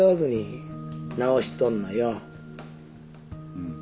うん。